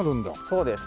そうです。